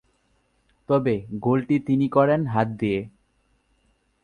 তবে গোলটি তিনি করেন হাত দিয়ে।